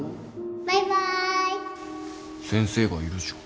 バイバイ！先生がいるじゃん。